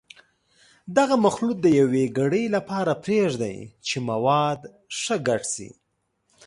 دغه مخلوط د یوې ګړۍ لپاره پرېږدئ چې مواد ښه ګډ شي.